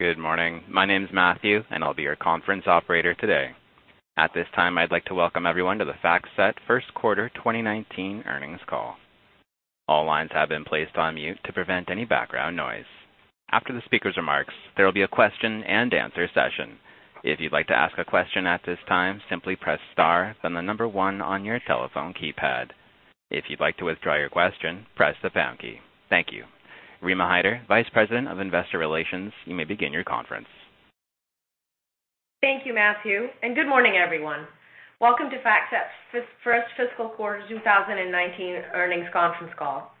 Good morning. My name is Matthew, and I'll be your conference operator today. At this time, I'd like to welcome everyone to the FactSet First Quarter 2019 earnings call. All lines have been placed on mute to prevent any background noise. After the speaker's remarks, there will be a question and answer session. If you'd like to ask a question at this time, simply press star, then the number one on your telephone keypad. If you'd like to withdraw your question, press the pound key. Thank you. Rima Hyder, Vice President of Investor Relations, you may begin your conference. Thank you, Matthew, and good morning, everyone. Welcome to FactSet First Fiscal Quarter 2019 earnings conference call.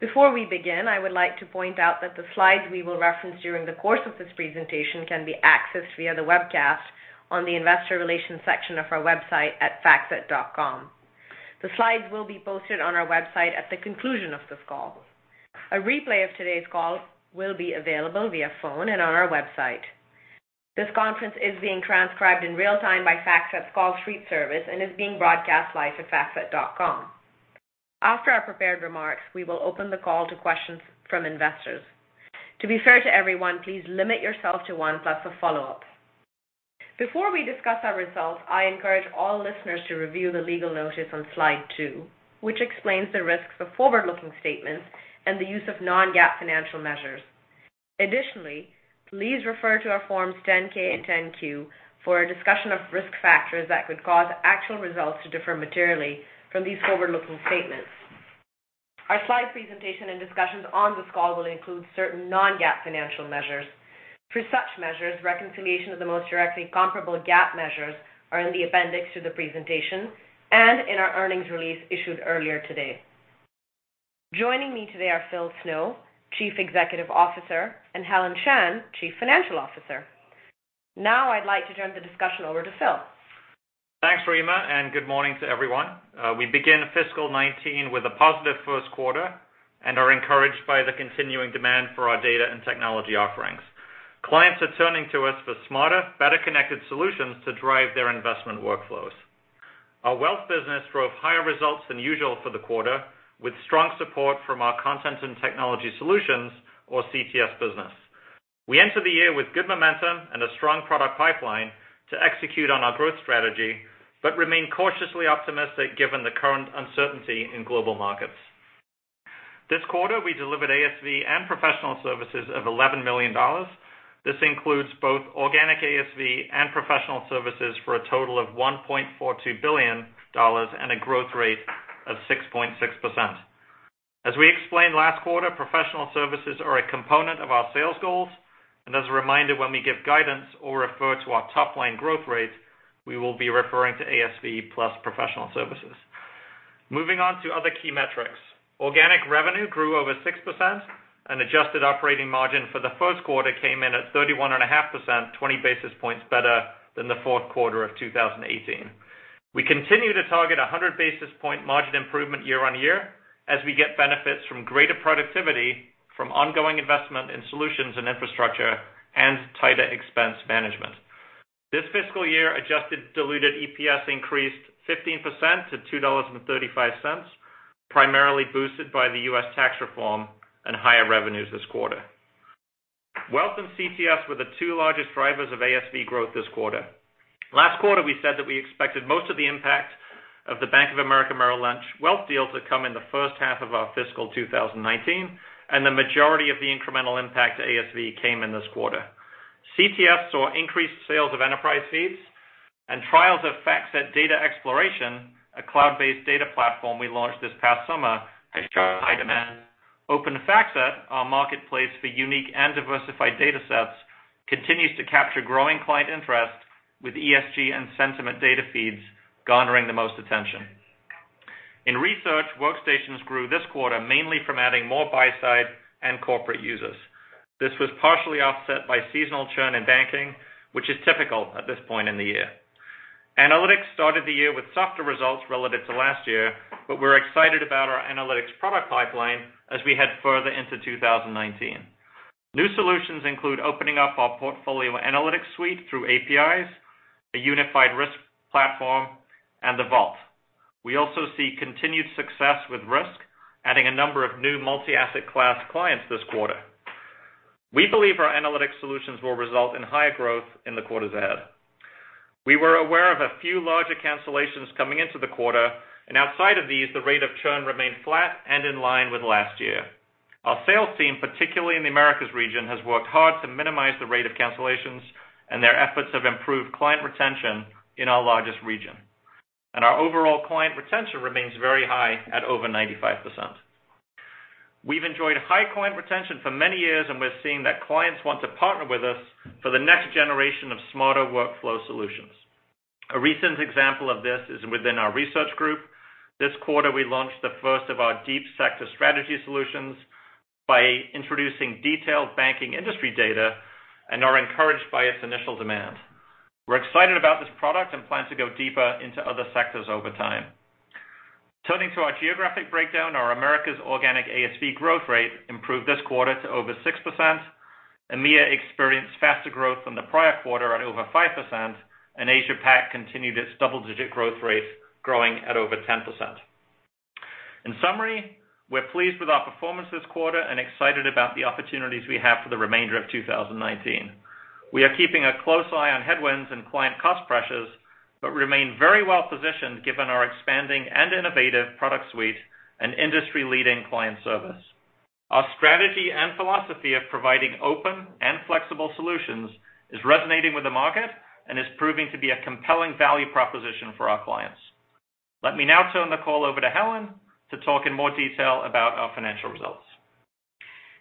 Before we begin, I would like to point out that the slides we will reference during the course of this presentation can be accessed via the webcast on the investor relations section of our website at factset.com. The slides will be posted on our website at the conclusion of this call. A replay of today's call will be available via phone and on our website. This conference is being transcribed in real time by FactSet's CallStreet service and is being broadcast live at factset.com. After our prepared remarks, we will open the call to questions from investors. To be fair to everyone, please limit yourself to one plus a follow-up. Before we discuss our results, I encourage all listeners to review the legal notice on Slide two, which explains the risks of forward-looking statements and the use of non-GAAP financial measures. Additionally, please refer to our Forms 10-K and 10-Q for a discussion of risk factors that could cause actual results to differ materially from these forward-looking statements. Our slide presentation and discussions on this call will include certain non-GAAP financial measures. For such measures, reconciliation of the most directly comparable GAAP measures are in the appendix to the presentation and in our earnings release issued earlier today. Joining me today are Phil Snow, Chief Executive Officer, and Helen Shan, Chief Financial Officer. I'd like to turn the discussion over to Phil. Thanks, Rima, and good morning to everyone. We begin fiscal 2019 with a positive first quarter and are encouraged by the continuing demand for our data and technology offerings. Clients are turning to us for smarter, better connected solutions to drive their investment workflows. Our wealth business drove higher results than usual for the quarter, with strong support from our content and technology solutions or CTS business. We enter the year with good momentum and a strong product pipeline to execute on our growth strategy, but remain cautiously optimistic given the current uncertainty in global markets. This quarter, we delivered ASV and professional services of $11 million. This includes both organic ASV and professional services for a total of $1.42 billion and a growth rate of 6.6%. As we explained last quarter, professional services are a component of our sales goals, and as a reminder, when we give guidance or refer to our top-line growth rate, we will be referring to ASV plus professional services. Moving on to other key metrics. Organic revenue grew over 6%, and adjusted operating margin for the first quarter came in at 31.5%, 20 basis points better than the fourth quarter of 2018. We continue to target a 100-basis point margin improvement year-over-year as we get benefits from greater productivity from ongoing investment in solutions and infrastructure and tighter expense management. This fiscal year adjusted diluted EPS increased 15% to $2.35, primarily boosted by the U.S. tax reform and higher revenues this quarter. Wealth and CTS were the two largest drivers of ASV growth this quarter. Last quarter, we said that we expected most of the impact of the Bank of America Merrill Lynch wealth deal to come in the first half of our fiscal 2019, and the majority of the incremental impact to ASV came in this quarter. CTS saw increased sales of enterprise feeds, and trials of FactSet Data Exploration, a cloud-based data platform we launched this past summer, has shown high demand. Open:FactSet, our marketplace for unique and diversified datasets, continues to capture growing client interest with ESG and sentiment data feeds garnering the most attention. In research, workstations grew this quarter mainly from adding more buy-side and corporate users. This was partially offset by seasonal churn in banking, which is typical at this point in the year. Analytics started the year with softer results relative to last year. We're excited about our analytics product pipeline as we head further into 2019. New solutions include opening up our portfolio analytics suite through APIs, a unified risk platform, and the Vault. We also see continued success with risk, adding a number of new multi-asset class clients this quarter. We believe our analytics solutions will result in higher growth in the quarters ahead. We were aware of a few larger cancellations coming into the quarter, and outside of these, the rate of churn remained flat and in line with last year. Our sales team, particularly in the Americas region, has worked hard to minimize the rate of cancellations, and their efforts have improved client retention in our largest region. Our overall client retention remains very high at over 95%. We've enjoyed high client retention for many years. We're seeing that clients want to partner with us for the next generation of smarter workflow solutions. A recent example of this is within our research group. This quarter, we launched the first of our deep sector strategy solutions by introducing detailed banking industry data and are encouraged by its initial demand. We're excited about this product and plan to go deeper into other sectors over time. Turning to our geographic breakdown, our Americas organic ASV growth rate improved this quarter to over 6%. EMEA experienced faster growth than the prior quarter at over 5%. AsiaPac continued its double-digit growth rate, growing at over 10%. In summary, we're pleased with our performance this quarter and excited about the opportunities we have for the remainder of 2019. We are keeping a close eye on headwinds and client cost pressures, but remain very well-positioned given our expanding and innovative product suite and industry-leading client service. Our strategy and philosophy of providing open and flexible solutions is resonating with the market and is proving to be a compelling value proposition for our clients. Let me now turn the call over to Helen to talk in more detail about our financial results.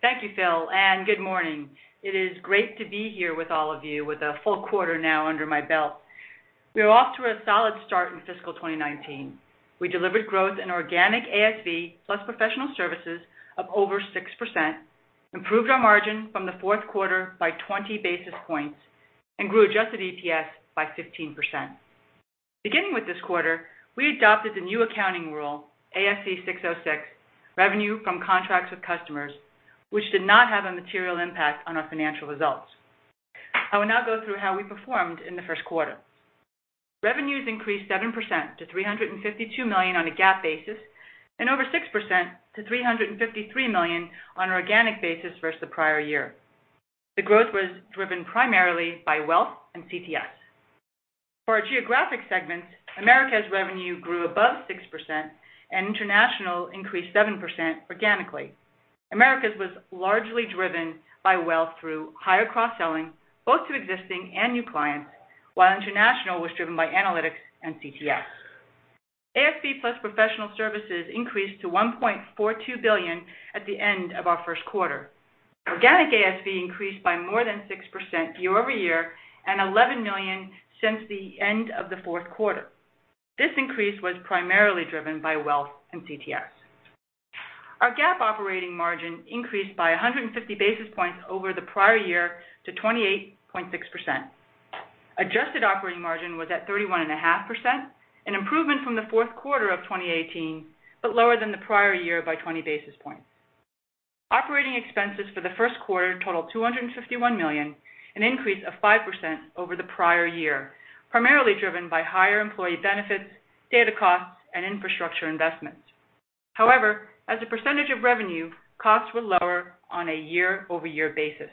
Thank you, Phil, and good morning. It is great to be here with all of you with a full quarter now under my belt. We are off to a solid start in fiscal 2019. We delivered growth in organic ASV plus professional services of over 6%, improved our margin from the fourth quarter by 20 basis points, and grew adjusted EPS by 15%. Beginning with this quarter, we adopted the new accounting rule, ASC 606, revenue from contracts with customers, which did not have a material impact on our financial results. I will now go through how we performed in the first quarter. Revenues increased 7% to $352 million on a GAAP basis and over 6% to $353 million on an organic basis versus the prior year. The growth was driven primarily by wealth and CTS. For our geographic segments, Americas revenue grew above 6% and international increased 7% organically. Americas was largely driven by wealth through higher cross-selling, both to existing and new clients, while international was driven by analytics and CTS. ASV plus professional services increased to $1.42 billion at the end of our first quarter. Organic ASV increased by more than 6% year-over-year and $11 million since the end of the fourth quarter. This increase was primarily driven by wealth and CTS. Our GAAP operating margin increased by 150 basis points over the prior year to 28.6%. Adjusted operating margin was at 31.5%, an improvement from the fourth quarter of 2018, but lower than the prior year by 20 basis points. Operating expenses for the first quarter totaled $251 million, an increase of 5% over the prior year, primarily driven by higher employee benefits, data costs, and infrastructure investments. However, as a percentage of revenue, costs were lower on a year-over-year basis.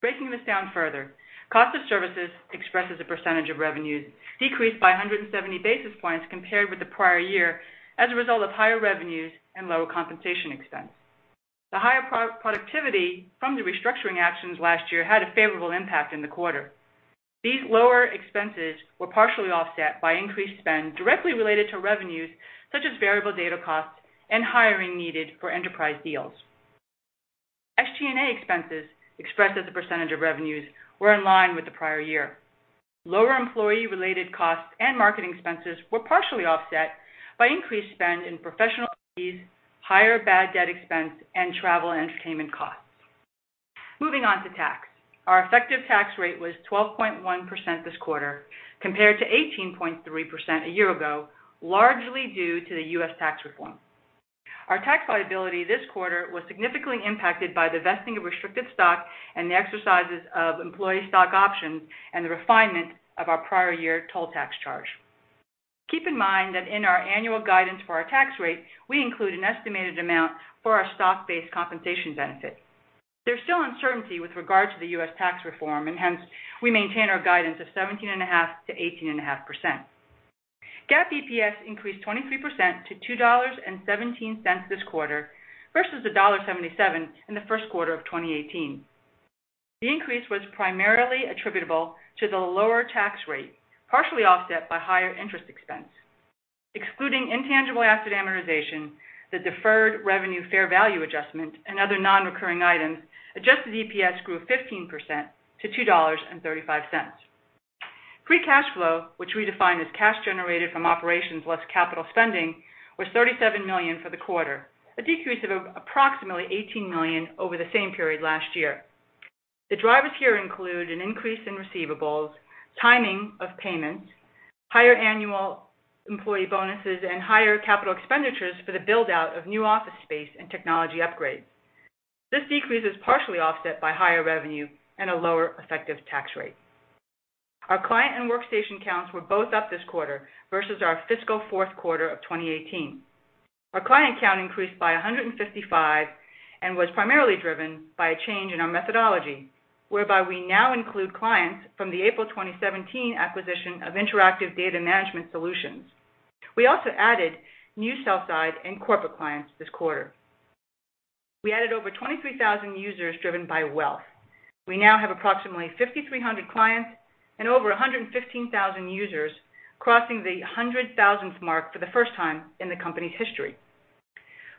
Breaking this down further, cost of services expressed as a percentage of revenues decreased by 170 basis points compared with the prior year as a result of higher revenues and lower compensation expense. The higher productivity from the restructuring actions last year had a favorable impact in the quarter. These lower expenses were partially offset by increased spend directly related to revenues such as variable data costs and hiring needed for enterprise deals. SG&A expenses, expressed as a percentage of revenues, were in line with the prior year. Lower employee-related costs and marketing expenses were partially offset by increased spend in professional fees, higher bad debt expense, and travel and entertainment costs. Moving on to tax. Our effective tax rate was 12.1% this quarter compared to 18.3% a year ago, largely due to the U.S. tax reform. Our tax liability this quarter was significantly impacted by the vesting of restricted stock and the exercises of employee stock options and the refinement of our prior year toll tax charge. Keep in mind that in our annual guidance for our tax rate, we include an estimated amount for our stock-based compensation benefit. There is still uncertainty with regard to the U.S. tax reform. Hence we maintain our guidance of 17.5%-18.5%. GAAP EPS increased 23% to $2.17 this quarter versus $1.77 in the first quarter of 2018. The increase was primarily attributable to the lower tax rate, partially offset by higher interest expense. Excluding intangible asset amortization, the deferred revenue fair value adjustment and other non-recurring items, adjusted EPS grew 15% to $2.35. Free cash flow, which we define as cash generated from operations less capital spending, was $37 million for the quarter, a decrease of approximately $18 million over the same period last year. The drivers here include an increase in receivables, timing of payments, higher annual employee bonuses, and higher capital expenditures for the build-out of new office space and technology upgrades. This decrease is partially offset by higher revenue and a lower effective tax rate. Our client and workstation counts were both up this quarter versus our fiscal fourth quarter of 2018. Our client count increased by 155 and was primarily driven by a change in our methodology, whereby we now include clients from the April 2017 acquisition of Interactive Data Managed Solutions. We also added new sell-side and corporate clients this quarter. We added over 23,000 users driven by wealth. We now have approximately 5,300 clients and over 115,000 users, crossing the 100,000th mark for the first time in the company's history.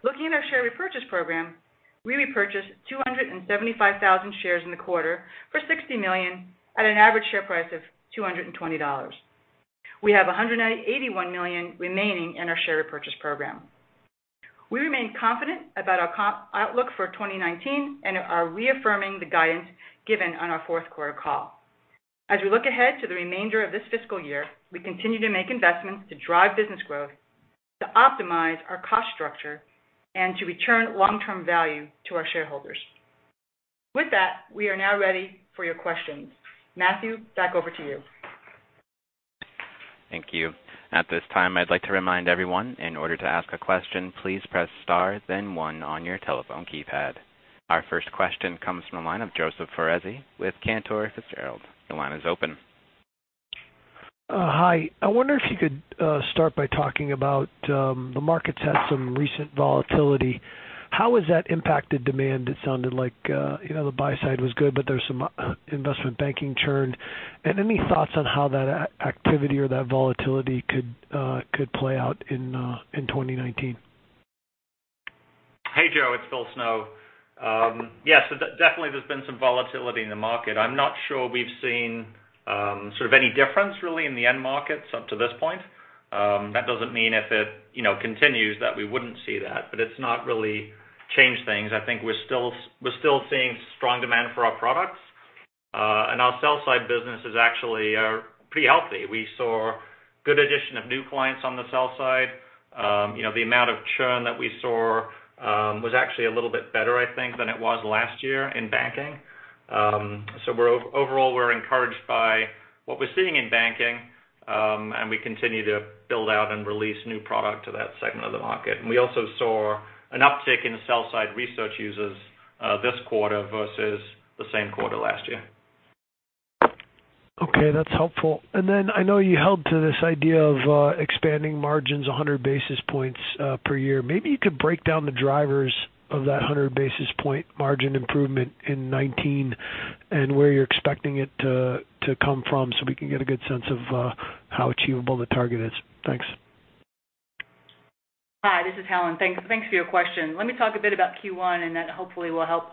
Looking at our share repurchase program, we repurchased 275,000 shares in the quarter for $60 million at an average share price of $220. We have $181 million remaining in our share repurchase program. We remain confident about our outlook for 2019 and are reaffirming the guidance given on our fourth quarter call. As we look ahead to the remainder of this fiscal year, we continue to make investments to drive business growth, to optimize our cost structure, and to return long-term value to our shareholders. With that, we are now ready for your questions. Matthew, back over to you. Thank you. At this time, I would like to remind everyone, in order to ask a question, please press star then one on your telephone keypad. Our first question comes from the line of Joseph Foresi with Cantor Fitzgerald. Your line is open. Hi. I wonder if you could start by talking about the markets had some recent volatility. How has that impacted demand? It sounded like the buy side was good, but there's some investment banking churn. Any thoughts on how that activity or that volatility could play out in 2019? Hey, Joseph. It's Phil Snow. Yeah. Definitely there's been some volatility in the market. I'm not sure we've seen sort of any difference really in the end markets up to this point. That doesn't mean if it continues that we wouldn't see that, but it's not really changed things. I think we're still seeing strong demand for our products. Our sell side business is actually pretty healthy. We saw good addition of new clients on the sell side. The amount of churn that we saw was actually a little bit better, I think, than it was last year in banking. Overall, we're encouraged by what we're seeing in banking, and we continue to build out and release new product to that segment of the market. We also saw an uptick in sell-side research users this quarter versus the same quarter last year. Okay. That's helpful. I know you held to this idea of expanding margins 100 basis points per year. Maybe you could break down the drivers of that 100 basis point margin improvement in 2019 and where you're expecting it to come from so we can get a good sense of how achievable the target is. Thanks. Hi, this is Helen. Thanks for your question. Let me talk a bit about Q1, and that hopefully will help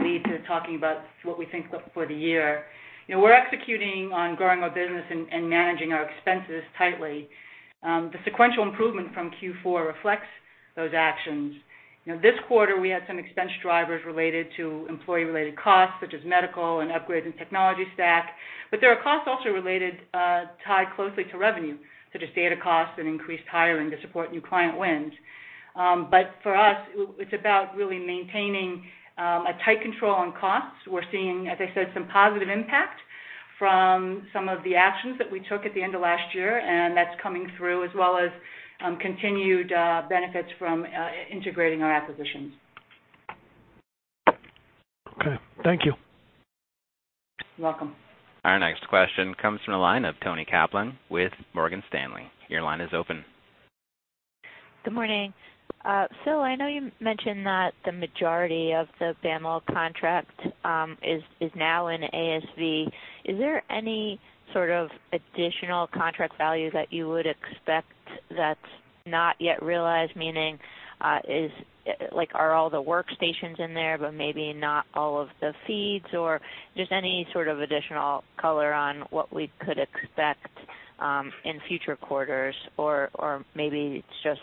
lead to talking about what we think for the year. We're executing on growing our business and managing our expenses tightly. The sequential improvement from Q4 reflects those actions. This quarter, we had some expense drivers related to employee-related costs, such as medical and upgrades in technology stack. There are costs also related, tied closely to revenue, such as data costs and increased hiring to support new client wins. For us, it's about really maintaining a tight control on costs. We're seeing, as I said, some positive impact from some of the actions that we took at the end of last year, and that's coming through, as well as continued benefits from integrating our acquisitions. Okay. Thank you. You're welcome. Our next question comes from the line of Toni Kaplan with Morgan Stanley. Your line is open. Good morning. Phil, I know you mentioned that the majority of the BAML contract is now in ASV. Is there any sort of additional contract value that you would expect that's not yet realized, meaning are all the workstations in there but maybe not all of the feeds? Or just any sort of additional color on what we could expect in future quarters, or maybe it's just,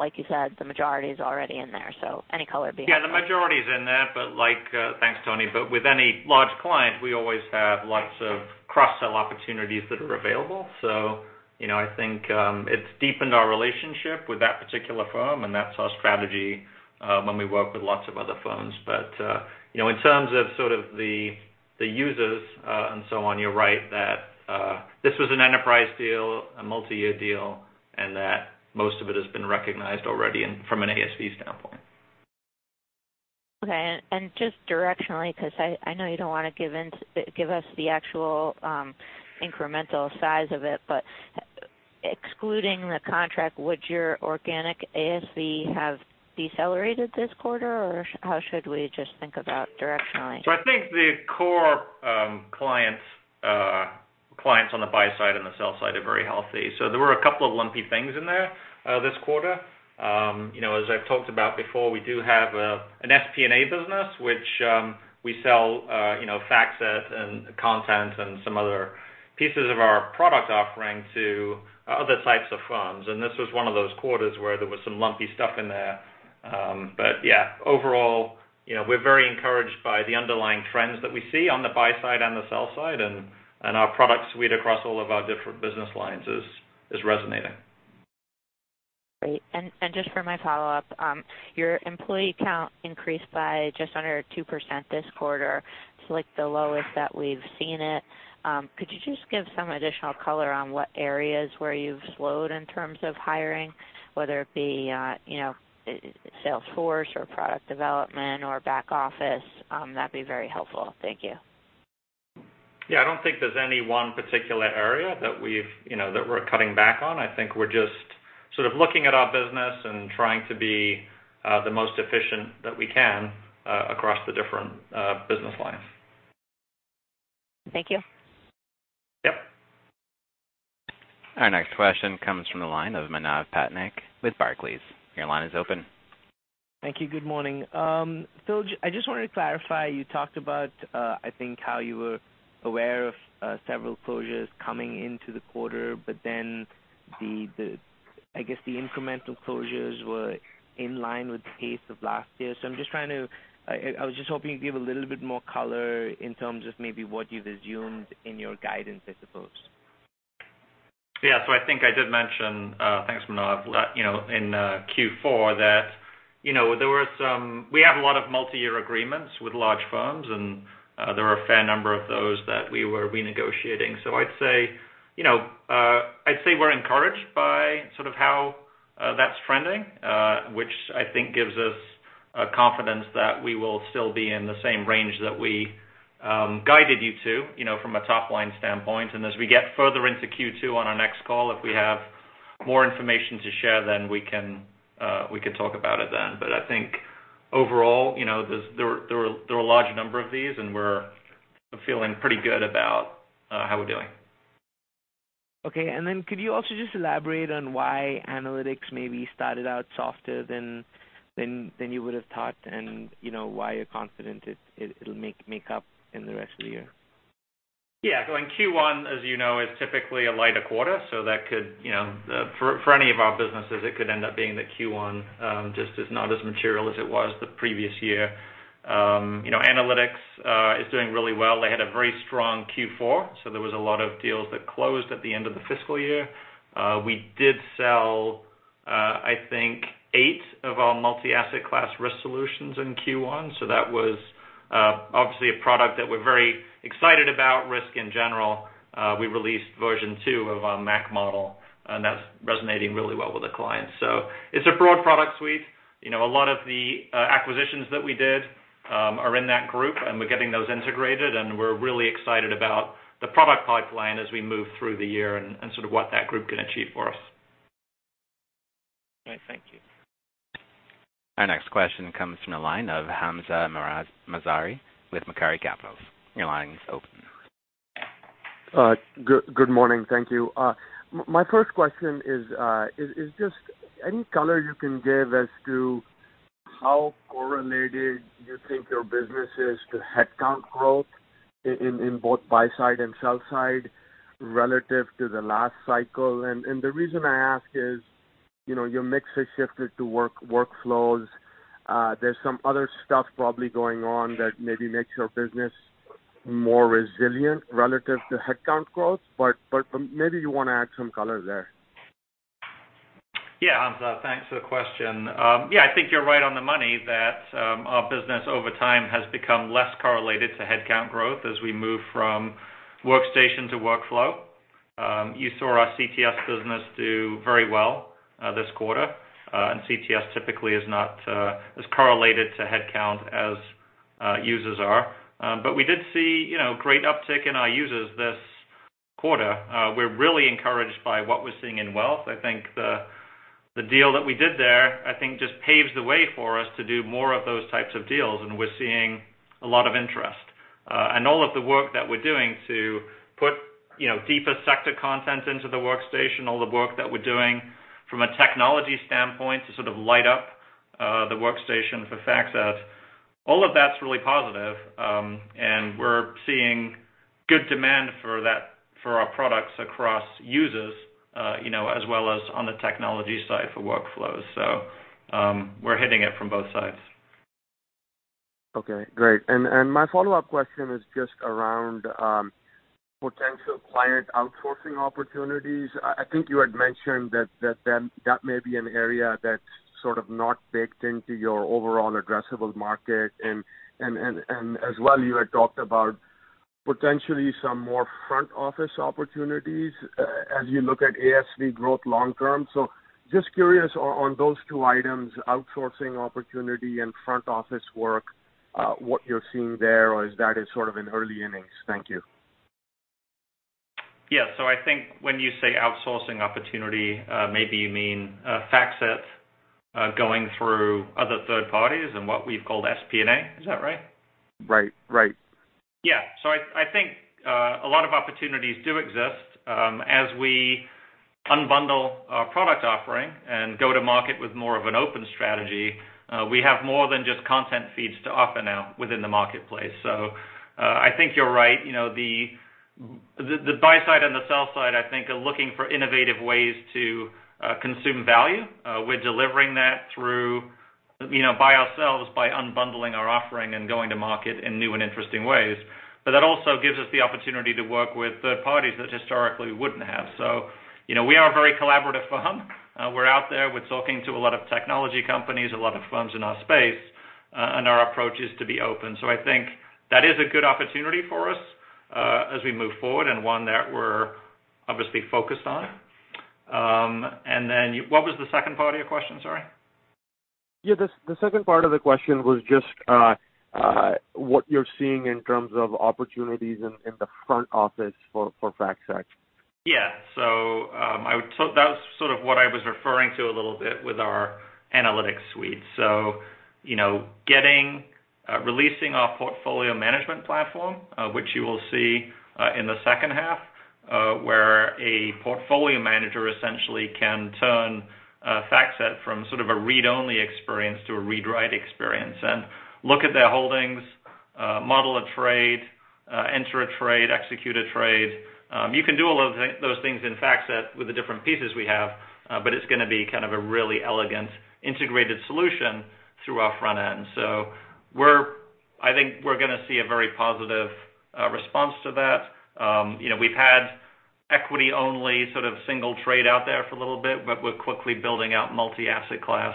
like you said, the majority is already in there. Any color would be helpful. The majority is in there. Thanks, Toni. With any large client, we always have lots of cross-sell opportunities that are available. I think it's deepened our relationship with that particular firm, and that is our strategy when we work with lots of other firms. In terms of sort of the users and so on, you are right that this was an enterprise deal, a multi-year deal, and that most of it has been recognized already from an ASV standpoint. Okay. Just directionally, because I know you don't want to give us the actual incremental size of it, excluding the contract, would your organic ASV have decelerated this quarter, or how should we just think about directionally? I think the core clients on the buy side and the sell side are very healthy. There were a couple of lumpy things in there this quarter. As I've talked about before, we do have an SPNA business, which we sell FactSet and content and some other pieces of our product offering to other types of firms, and this was one of those quarters where there was some lumpy stuff in there. Yeah, overall, we're very encouraged by the underlying trends that we see on the buy side and the sell side, and our product suite across all of our different business lines is resonating. Great. Just for my follow-up, your employee count increased by just under 2% this quarter. It's like the lowest that we've seen it. Could you just give some additional color on what areas where you've slowed in terms of hiring, whether it be sales force or product development or back office? That'd be very helpful. Thank you. Yeah, I don't think there's any one particular area that we're cutting back on. I think we're just sort of looking at our business and trying to be the most efficient that we can across the different business lines. Thank you. Yep. Our next question comes from the line of Manav Patnaik with Barclays. Your line is open. Thank you. Good morning. Phil, I just wanted to clarify, you talked about, I think, how you were aware of several closures coming into the quarter, I guess the incremental closures were in line with the pace of last year. I was just hoping you could give a little bit more color in terms of maybe what you've assumed in your guidance, I suppose. I think I did mention, thanks Manav, in Q4. You know, we have a lot of multi-year agreements with large firms, and there are a fair number of those that we were renegotiating. I'd say we're encouraged by sort of how that's trending, which I think gives us confidence that we will still be in the same range that we guided you to, from a top-line standpoint. As we get further into Q2 on our next call, if we have more information to share, then we can talk about it then. I think overall, there are a large number of these, and we're feeling pretty good about how we're doing. Could you also just elaborate on why analytics maybe started out softer than you would've thought and why you're confident it'll make up in the rest of the year? In Q1, as you know, is typically a lighter quarter. For any of our businesses, it could end up being that Q1 just is not as material as it was the previous year. Analytics is doing really well. They had a very strong Q4. There was a lot of deals that closed at the end of the fiscal year. We did sell I think eight of our multi-asset class risk solutions in Q1. That was obviously a product that we're very excited about, risk in general. We released version 2 of our MAC model, and that's resonating really well with the clients. It's a broad product suite. A lot of the acquisitions that we did are in that group. We're getting those integrated. We're really excited about the product pipeline as we move through the year and sort of what that group can achieve for us. All right, thank you. Our next question comes from the line of Hamza Mazari with Macquarie Capital. Your line is open. Good morning. Thank you. My first question is just any color you can give as to how correlated you think your business is to headcount growth in both buy-side and sell-side relative to the last cycle. The reason I ask is, your mix has shifted to workflows. There's some other stuff probably going on that maybe makes your business more resilient relative to headcount growth. Maybe you want to add some color there. Yeah, Hamza, thanks for the question. Yeah, I think you're right on the money that our business over time has become less correlated to headcount growth as we move from workstation to workflow. You saw our CTS business do very well this quarter. CTS typically is not as correlated to headcount as users are. We did see great uptick in our users this quarter. We're really encouraged by what we're seeing in Wealth. I think the deal that we did there, I think just paves the way for us to do more of those types of deals, and we're seeing a lot of interest. All of the work that we're doing to put deeper sector content into the workstation, all the work that we're doing from a technology standpoint to sort of light up the workstation for FactSet, all of that's really positive. We're seeing good demand for our products across users, as well as on the technology side for workflows. We're hitting it from both sides. Okay, great. My follow-up question is just around potential client outsourcing opportunities. I think you had mentioned that that may be an area that's sort of not baked into your overall addressable market, and as well, you had talked about potentially some more front-office opportunities as you look at ASV growth long term. Just curious on those two items, outsourcing opportunity and front-office work, what you're seeing there, or is that as sort of in early innings? Thank you. Yeah. I think when you say outsourcing opportunity, maybe you mean FactSet going through other third parties and what we've called SPNA. Is that right? Right. Yeah. I think a lot of opportunities do exist. As we unbundle our product offering and go to market with more of an open strategy, we have more than just content feeds to offer now within the marketplace. I think you're right. The buy-side and the sell-side, I think, are looking for innovative ways to consume value. We're delivering that by ourselves, by unbundling our offering and going to market in new and interesting ways. That also gives us the opportunity to work with third parties that historically wouldn't have. We are a very collaborative firm. We're out there with talking to a lot of technology companies, a lot of firms in our space, and our approach is to be open. I think that is a good opportunity for us as we move forward, and one that we're obviously focused on. What was the second part of your question? Sorry. The second part of the question was just what you're seeing in terms of opportunities in the front office for FactSet. That was sort of what I was referring to a little bit with our analytics suite. Releasing our portfolio management platform, which you will see in the second half, where a portfolio manager essentially can turn a FactSet from sort of a read-only experience to a read/write experience and look at their holdings, model a trade, enter a trade, execute a trade. You can do all of those things in FactSet with the different pieces we have, it's going to be kind of a really elegant, integrated solution through our front end. I think we're going to see a very positive response to that. We've had equity-only, sort of single trade out there for a little bit, we're quickly building out multi-asset class,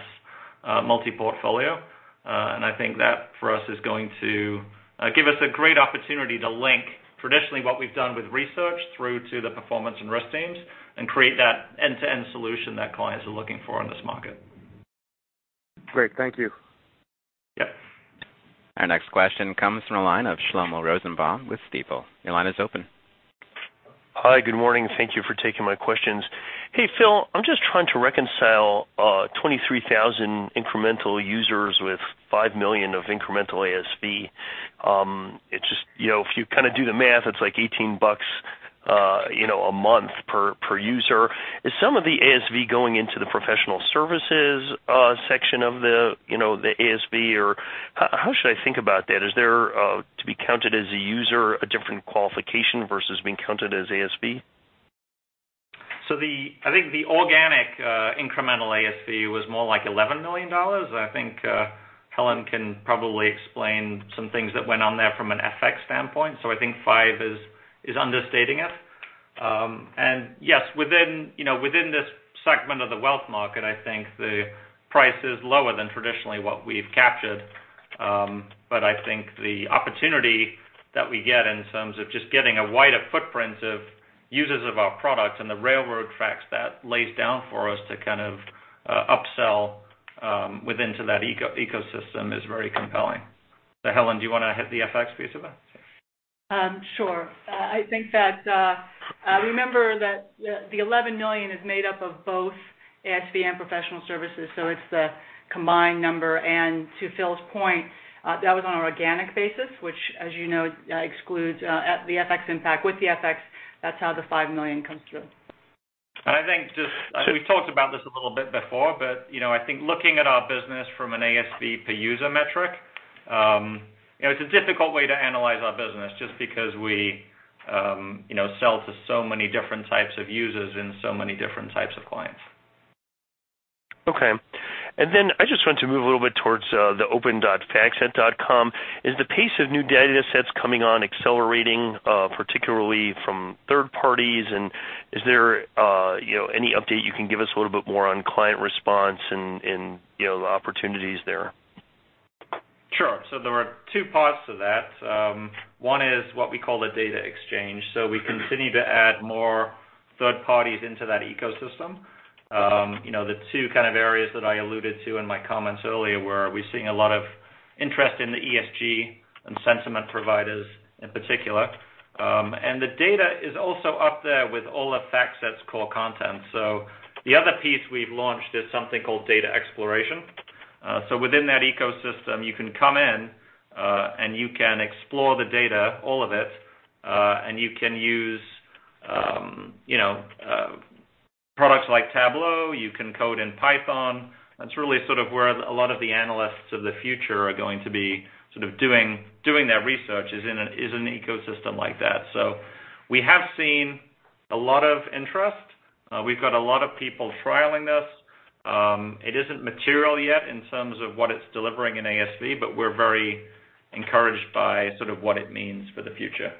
multi-portfolio. I think that for us is going to give us a great opportunity to link traditionally what we've done with research through to the performance and risk teams, and create that end-to-end solution that clients are looking for in this market. Great. Thank you. Yeah. Our next question comes from the line of Shlomo Rosenbaum with Stifel. Your line is open. Hi, good morning. Thank you for taking my questions. Hey, Phil, I'm just trying to reconcile 23,000 incremental users with $5 million of incremental ASV. If you do the math, it's like $18 a month per user. Is some of the ASV going into the professional services section of the ASV, or how should I think about that? Is there, to be counted as a user, a different qualification versus being counted as ASV? I think the organic incremental ASV was more like $11 million. I think Helen can probably explain some things that went on there from an FX standpoint. I think $5 is understating it. Yes, within this segment of the wealth market, I think the price is lower than traditionally what we've captured. I think the opportunity that we get in terms of just getting a wider footprint of users of our product and the railroad tracks that lays down for us to kind of upsell within that ecosystem is very compelling. Helen, do you want to hit the FX piece of it? Sure. Remember that the $11 million is made up of both ASV and professional services, so it's the combined number. To Phil's point, that was on an organic basis, which as you know excludes the FX impact. With the FX, that's how the $5 million comes through. I think we talked about this a little bit before, but I think looking at our business from an ASV per user metric, it's a difficult way to analyze our business just because we sell to so many different types of users and so many different types of clients. Okay. I just want to move a little bit towards the open.factset.com. Is the pace of new data sets coming on accelerating, particularly from third parties? Is there any update you can give us a little bit more on client response and the opportunities there? Sure. There are two parts to that. One is what we call the data exchange. We continue to add more third parties into that ecosystem. The two kind of areas that I alluded to in my comments earlier were we're seeing a lot of interest in the ESG and sentiment providers in particular. The data is also up there with all of FactSet's core content. The other piece we've launched is something called FactSet Data Exploration. Within that ecosystem, you can come in, and you can explore the data, all of it, and you can use products like Tableau, you can code in Python. That's really sort of where a lot of the analysts of the future are going to be doing their research, is in an ecosystem like that. We have seen a lot of interest. We've got a lot of people trialing this. It isn't material yet in terms of what it's delivering in ASV, but we're very encouraged by sort of what it means for the future.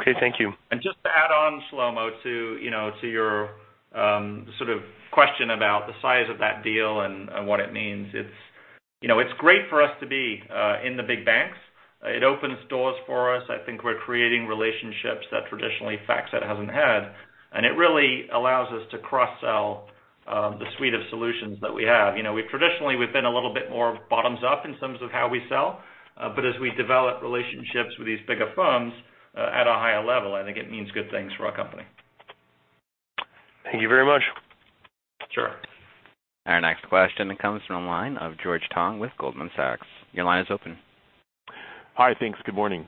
Okay, thank you. Just to add on, Shlomo, to your sort of question about the size of that deal and what it means, it's great for us to be in the big banks. It opens doors for us. I think we're creating relationships that traditionally FactSet hasn't had, and it really allows us to cross-sell the suite of solutions that we have. Traditionally, we've been a little bit more bottoms up in terms of how we sell. As we develop relationships with these bigger firms at a higher level, I think it means good things for our company. Thank you very much. Sure. Our next question comes from the line of George Tong with Goldman Sachs. Your line is open. Hi, thanks. Good morning.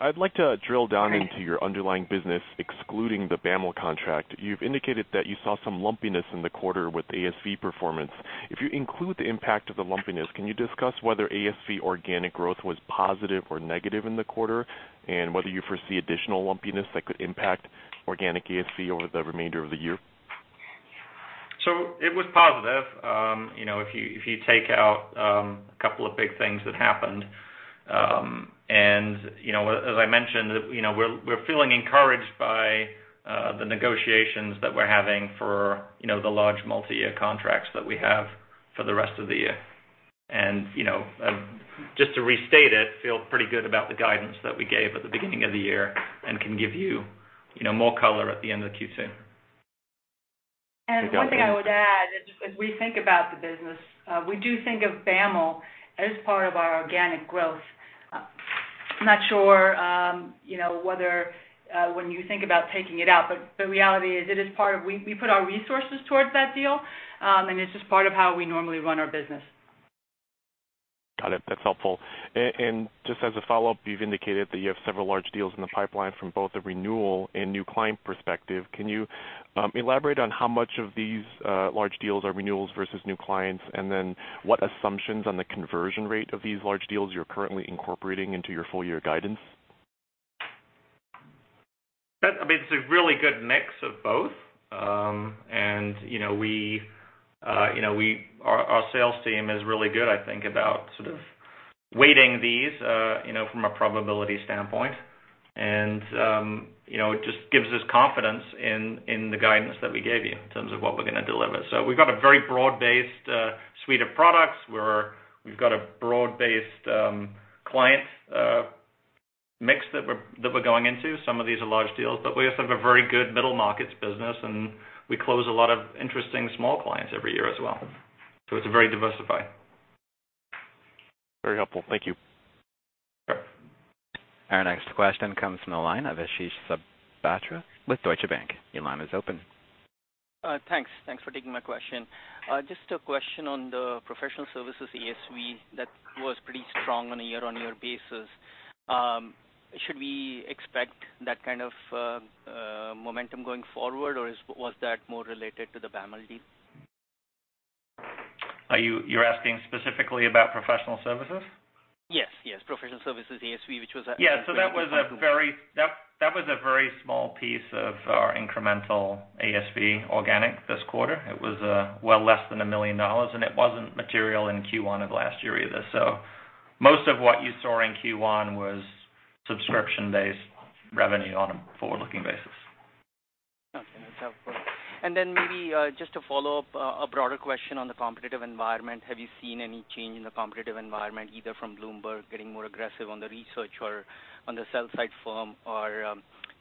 I'd like to drill down into your underlying business, excluding the BAML contract. You've indicated that you saw some lumpiness in the quarter with ASV performance. If you include the impact of the lumpiness, can you discuss whether ASV organic growth was positive or negative in the quarter, and whether you foresee additional lumpiness that could impact organic ASV over the remainder of the year? It was positive. As I mentioned, we're feeling encouraged by the negotiations that we're having for the large multi-year contracts that we have for the rest of the year. Just to restate it, feel pretty good about the guidance that we gave at the beginning of the year and can give you more color at the end of the Q soon. One thing I would add is, as we think about the business, we do think of BAML as part of our organic growth. I'm not sure whether when you think about taking it out, the reality is we put our resources towards that deal, and it's just part of how we normally run our business. Got it. That's helpful. Just as a follow-up, you've indicated that you have several large deals in the pipeline from both a renewal and new client perspective. Can you elaborate on how much of these large deals are renewals versus new clients, and then what assumptions on the conversion rate of these large deals you're currently incorporating into your full year guidance? A really good mix of both. Our sales team is really good, I think, about sort of weighting these from a probability standpoint. It just gives us confidence in the guidance that we gave you in terms of what we're going to deliver. We've got a very broad-based suite of products. We've got a broad-based client mix that we're going into. Some of these are large deals, but we also have a very good middle markets business, and we close a lot of interesting small clients every year as well. It's very diversified. Very helpful. Thank you. Sure. Our next question comes from the line of Ashish Sabadra with Deutsche Bank. Your line is open. Thanks for taking my question. Just a question on the professional services ASV that was pretty strong on a year-on-year basis. Should we expect that kind of momentum going forward, or was that more related to the BAML deal? You're asking specifically about professional services? Yes. Professional services ASV. Yeah. That was a very small piece of our incremental ASV organic this quarter. It was well less than $1 million, and it wasn't material in Q1 of last year either. Most of what you saw in Q1 was subscription-based revenue on a forward-looking basis. Okay. That's helpful. Maybe just to follow up, a broader question on the competitive environment. Have you seen any change in the competitive environment, either from Bloomberg getting more aggressive on the research or on the sell side firm or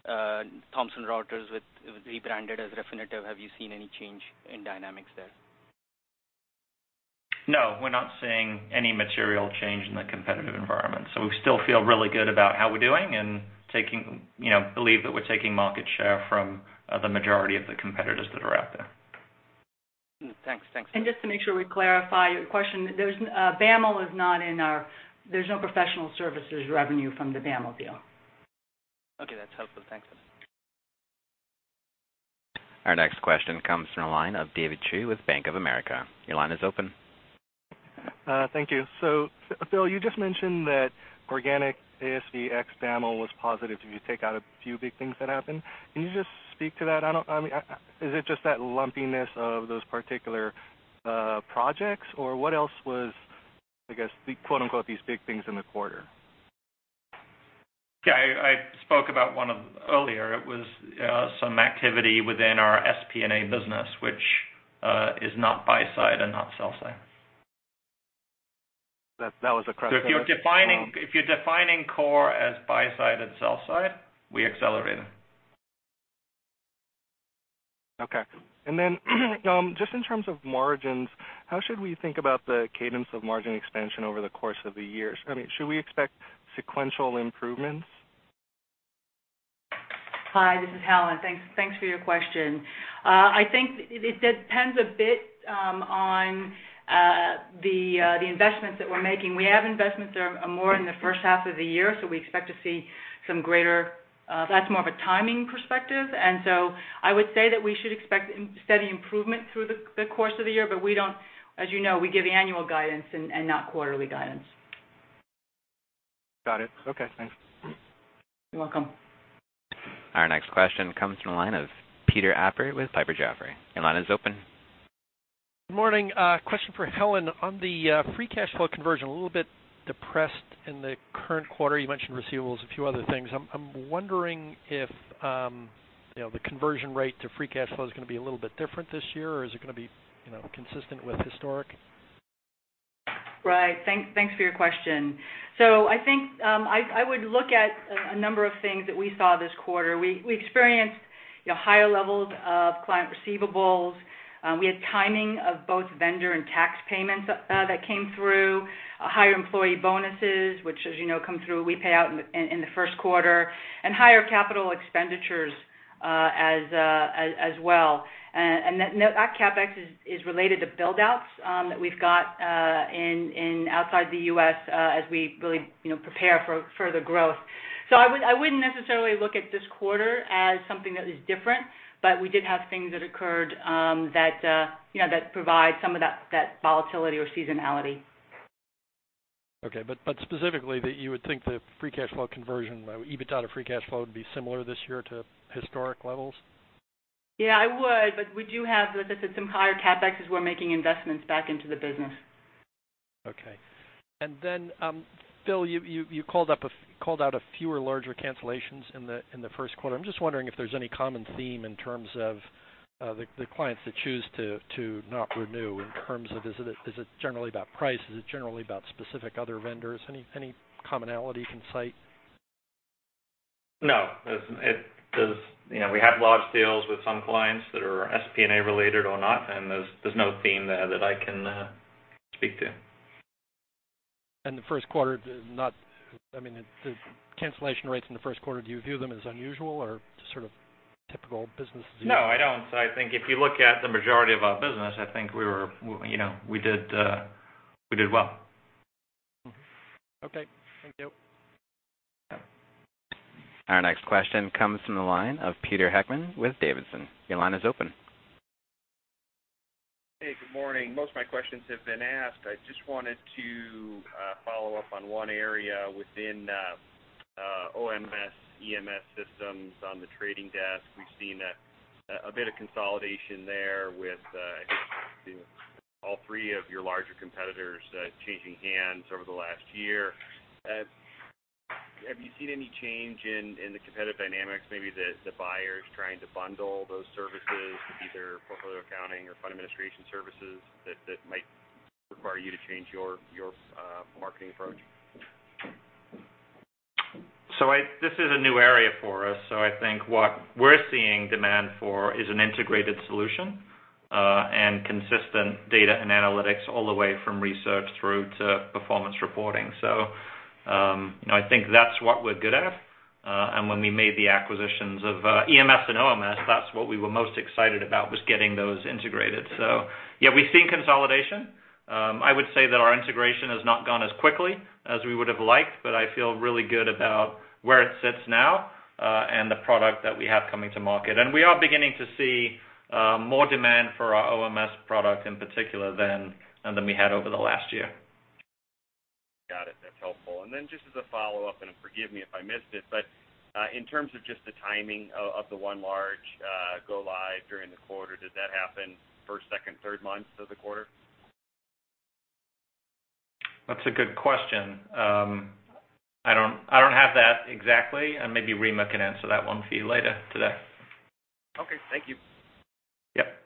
Thomson Reuters with rebranded as Refinitiv? Have you seen any change in dynamics there? No, we're not seeing any material change in the competitive environment. We still feel really good about how we're doing and believe that we're taking market share from the majority of the competitors that are out there. Thanks. Just to make sure we clarify your question, BAML, there's no professional services revenue from the BAML deal. Okay. That's helpful. Thanks. Our next question comes from the line of David Chiu with Bank of America. Your line is open. Thank you. Phil, you just mentioned that organic ASV ex BAML was positive if you take out a few big things that happened. Can you just speak to that? Is it just that lumpiness of those particular projects or what else was, I guess, the quote-unquote "these big things" in the quarter? Yeah, I spoke about one of them earlier. It was some activity within our SPNA business, which is not buy side and not sell side. That was a- If you're defining core as buy side and sell side, we accelerated. Okay. Just in terms of margins, how should we think about the cadence of margin expansion over the course of the year? Should we expect sequential improvements? Hi, this is Helen. Thanks for your question. I think it depends a bit on the investments that we're making. We have investments that are more in the first half of the year, so we expect to see some greater. That's more of a timing perspective. I would say that we should expect steady improvement through the course of the year, but as you know, we give annual guidance and not quarterly guidance. Got it. Okay. Thanks. You're welcome. Our next question comes from the line of Peter Appert with Piper Jaffray. Your line is open. Good morning. A question for Helen. On the free cash flow conversion, a little bit depressed in the current quarter. You mentioned receivables, a few other things. I'm wondering if the conversion rate to free cash flow is going to be a little bit different this year, or is it going to be consistent with historic? Right. Thanks for your question. I think I would look at a number of things that we saw this quarter. We experienced higher levels of client receivables. We had timing of both vendor and tax payments that came through, higher employee bonuses, which, as you know, we pay out in the first quarter, and higher capital expenditures as well. That CapEx is related to build-outs that we've got outside the U.S. as we really prepare for further growth. I wouldn't necessarily look at this quarter as something that is different, but we did have things that occurred that provide some of that volatility or seasonality. Okay. Specifically, you would think the free cash flow conversion, EBITDA to free cash flow, would be similar this year to historic levels? Yeah, I would, but we do have, as I said, some higher CapEx as we're making investments back into the business. Okay. Then, Phil, you called out a fewer larger cancellations in the first quarter. I'm just wondering if there's any common theme in terms of the clients that choose to not renew in terms of, is it generally about price? Is it generally about specific other vendors? Any commonality you can cite? No. We have large deals with some clients that are SPNA related or not, and there's no theme there that I can speak to. The first quarter, the cancellation rates in the first quarter, do you view them as unusual or just sort of typical business as usual? No, I don't. I think if you look at the majority of our business, I think we did well. Okay. Thank you. Our next question comes from the line of Peter Heckmann with Davidson. Your line is open. Good morning. Most of my questions have been asked. I just wanted to follow up on one area within OMS, EMS systems on the trading desk. We've seen a bit of consolidation there with, I guess, all three of your larger competitors changing hands over the last year. Have you seen any change in the competitive dynamics, maybe the buyers trying to bundle those services, either portfolio accounting or fund administration services that might require you to change your marketing approach? This is a new area for us. I think what we're seeing demand for is an integrated solution, and consistent data and analytics all the way from research through to performance reporting. I think that's what we're good at. When we made the acquisitions of EMS and OMS, that's what we were most excited about, was getting those integrated. Yeah, we've seen consolidation. I would say that our integration has not gone as quickly as we would have liked, but I feel really good about where it sits now, and the product that we have coming to market. We are beginning to see more demand for our OMS product in particular than we had over the last year. Got it. That's helpful. Then just as a follow-up, and forgive me if I missed it, but in terms of just the timing of the one large go live during the quarter, did that happen first, second, third month of the quarter? That's a good question. I don't have that exactly. Maybe Rima can answer that one for you later today. Okay. Thank you. Yep.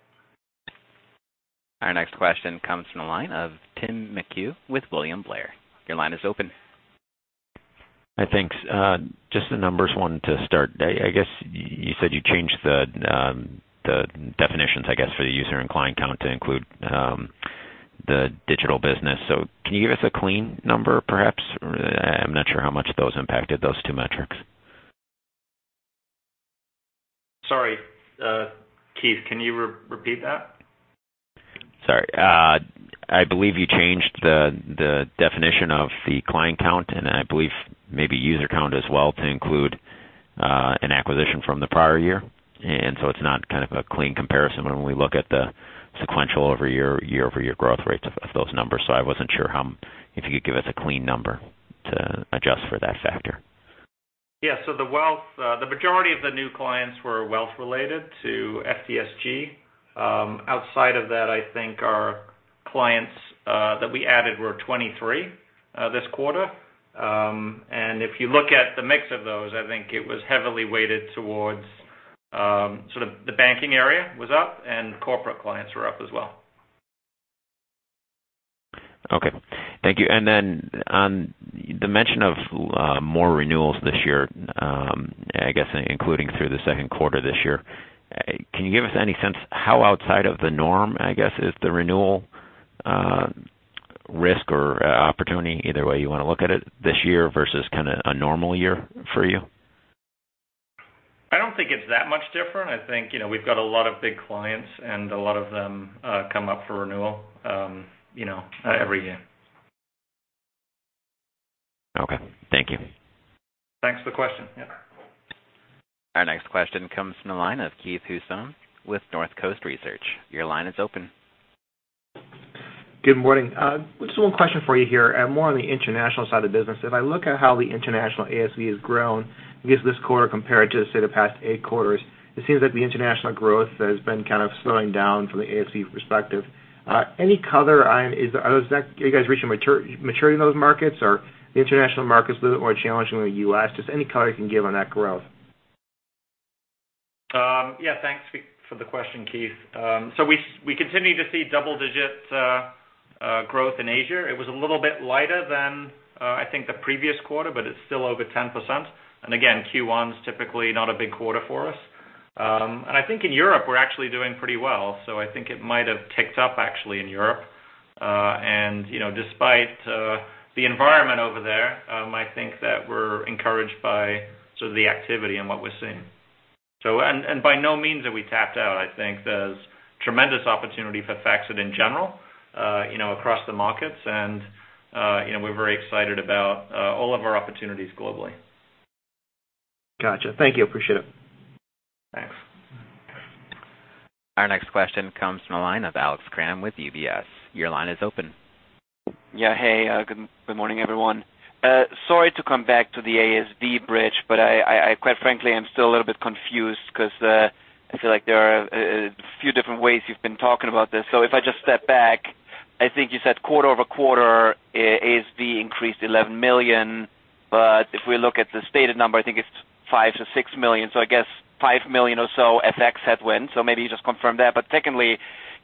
Our next question comes from the line of Timothy McHugh with William Blair. Your line is open. Hi, thanks. Just the numbers one to start. I guess you said you changed the definitions, I guess, for the user and client count to include the digital business. Can you give us a clean number perhaps, or I'm not sure how much those impacted those two metrics. Sorry, (please), can you repeat that? Sorry. I believe you changed the definition of the client count and I believe maybe user count as well to include an acquisition from the prior year. It's not kind of a clean comparison when we look at the sequential year-over-year growth rates of those numbers. I wasn't sure if you could give us a clean number to adjust for that factor. Yeah. The majority of the new clients were wealth related to FDSG. Outside of that, I think our clients that we added were 23 this quarter. If you look at the mix of those, I think it was heavily weighted towards sort of the banking area was up and corporate clients were up as well. Okay. Thank you. On the mention of more renewals this year, I guess including through the second quarter this year, can you give us any sense how outside of the norm, I guess, is the renewal risk or opportunity, either way you want to look at it, this year versus kind of a normal year for you? I don't think it's that much different. I think we've got a lot of big clients and a lot of them come up for renewal every year. Okay. Thank you. Thanks for the question. Yeah. Our next question comes from the line of Keith Housum with Northcoast Research. Your line is open. Good morning. Just one question for you here, more on the international side of the business. If I look at how the international ASV has grown, I guess this quarter compared to, say, the past eight quarters, it seems like the international growth has been kind of slowing down from the ASV perspective. Any color on, are you guys reaching maturity in those markets? Are the international markets a little bit more challenging than the U.S.? Just any color you can give on that growth. Thanks for the question, Keith. We continue to see double-digit growth in Asia. It was a little bit lighter than I think the previous quarter, but it's still over 10%. Again, Q1's typically not a big quarter for us. I think in Europe we're actually doing pretty well. I think it might have ticked up actually in Europe. Despite the environment over there, I think that we're encouraged by sort of the activity and what we're seeing. By no means have we tapped out. I think there's tremendous opportunity for FactSet in general across the markets and we're very excited about all of our opportunities globally. Got you. Thank you. Appreciate it. Thanks. Our next question comes from the line of Alex Kramm with UBS. Your line is open. Hey, good morning, everyone. Sorry to come back to the ASV bridge, but quite frankly, I'm still a little bit confused because I feel like there are a few different ways you've been talking about this. If I just step back, I think you said quarter-over-quarter ASV increased $11 million, but if we look at the stated number, I think it's $5 million-$6 million. I guess $5 million or so FX headwinds. Maybe you just confirm that. Secondly,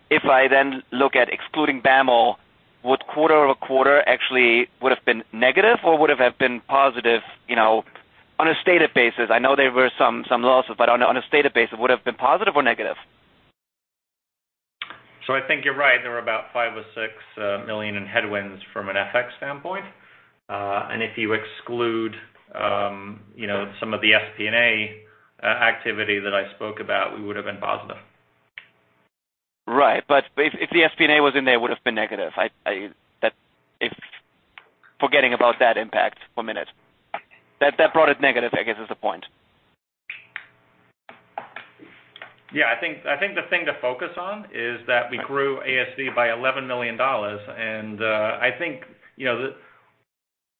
if I then look at excluding BAML, would quarter-over-quarter actually would've been negative or would've have been positive on a stated basis? I know there were some losses, but on a stated basis, would it have been positive or negative? I think you're right. There were about $5 million or $6 million in headwinds from an FX standpoint. If you exclude some of the FP&A activity that I spoke about, we would've been positive. Right. If the FP&A was in there, it would've been negative. Forgetting about that impact for a minute. That brought it negative, I guess, is the point. I think the thing to focus on is that we grew ASV by $11 million. I think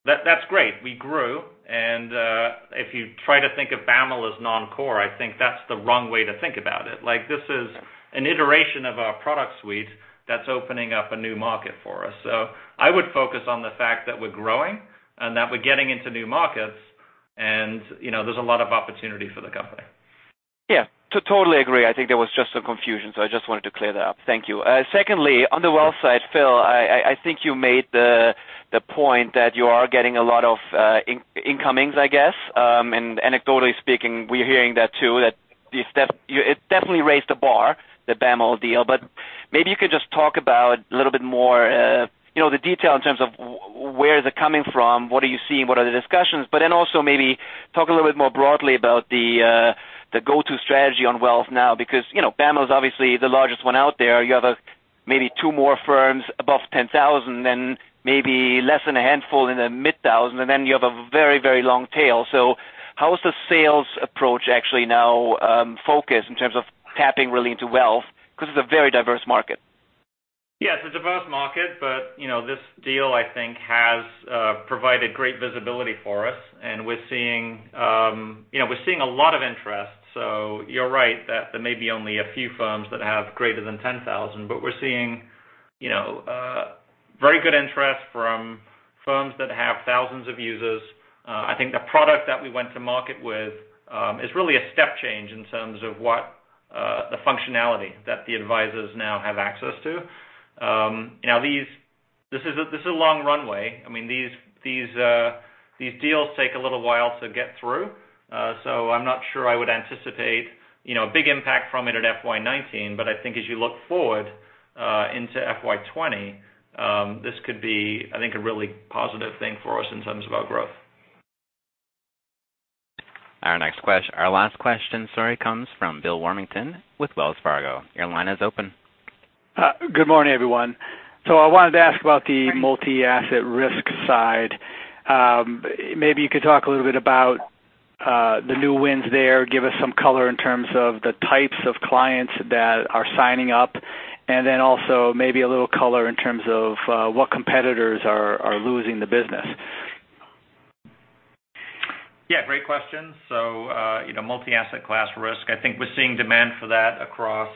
that's great. We grew. If you try to think of BAML as non-core, I think that's the wrong way to think about it. This is an iteration of our product suite that's opening up a new market for us. I would focus on the fact that we're growing and that we're getting into new markets, and there's a lot of opportunity for the company. Totally agree. I think there was just some confusion, I just wanted to clear that up. Thank you. Secondly, on the wealth side, Phil, I think you made the point that you are getting a lot of incomings, I guess. Anecdotally speaking, we're hearing that too, that it definitely raised the bar, the BAML deal. Maybe you could just talk about a little bit more, the detail in terms of where they're coming from, what are you seeing, what are the discussions? Also maybe talk a little bit more broadly about the go-to strategy on wealth now because BAML is obviously the largest one out there. You have maybe two more firms above 10,000, and maybe less than a handful in the mid-thousand, and then you have a very long tail. How is the sales approach actually now focused in terms of tapping really into wealth? Because it's a very diverse market. Yeah, it's a diverse market, but this deal, I think, has provided great visibility for us, and we're seeing a lot of interest. You're right, that there may be only a few firms that have greater than 10,000, but we're seeing very good interest from firms that have thousands of users. I think the product that we went to market with is really a step change in terms of what the functionality that the advisors now have access to. This is a long runway. These deals take a little while to get through. I'm not sure I would anticipate a big impact from it at FY 2019, but I think as you look forward into FY 2020, this could be, I think, a really positive thing for us in terms of our growth. Our last question, sorry, comes from Bill Warmington with Wells Fargo. Your line is open. Good morning, everyone. I wanted to ask about the multi-asset risk side. Maybe you could talk a little bit about the new wins there, give us some color in terms of the types of clients that are signing up, and then also maybe a little color in terms of what competitors are losing the business. Yeah, great question. Multi-asset class risk, I think we're seeing demand for that across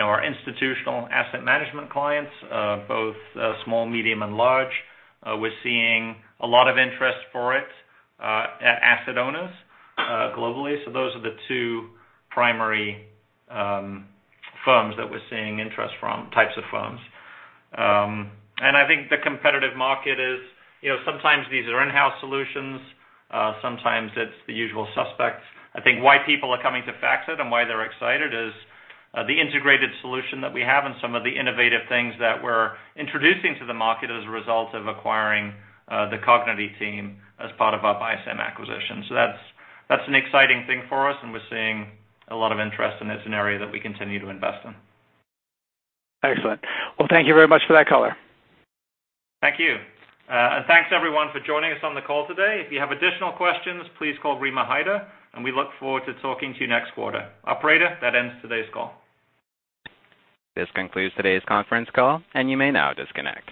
our institutional asset management clients, both small, medium, and large. We're seeing a lot of interest for it at asset owners globally. Those are the two primary firms that we're seeing interest from, types of firms. I think the competitive market is, sometimes these are in-house solutions, sometimes it's the usual suspects. I think why people are coming to FactSet and why they're excited is the integrated solution that we have and some of the innovative things that we're introducing to the market as a result of acquiring the Cognity team as part of our BISAM acquisition. That's an exciting thing for us, and we're seeing a lot of interest, and it's an area that we continue to invest in. Excellent. Well, thank you very much for that color. Thank you. Thanks, everyone, for joining us on the call today. If you have additional questions, please call Rima Hyder, and we look forward to talking to you next quarter. Operator, that ends today's call. This concludes today's conference call, and you may now disconnect.